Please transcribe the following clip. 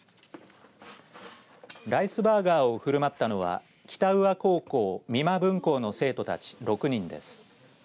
ライスバーガーをふるまったのは北宇和高校三間分校の生徒たち６人です。